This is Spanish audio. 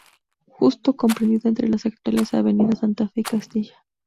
Justo comprendido entre las actuales avenida Santa Fe y Castillo.